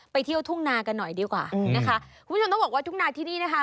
ไปเที่ยวทุ่งนากันหน่อยดีกว่านะคะคุณผู้ชมต้องบอกว่าทุ่งนาที่นี่นะคะ